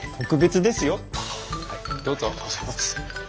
ありがとうございます。